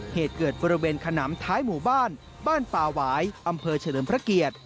เหตุเกิดบริเวณขนำท้ายหมู่บ้านบ้านป่าหวายอำเภอเฉลิมพระเกียรติ